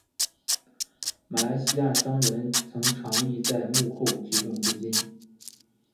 马来西亚商人曾长义在幕后提供资金。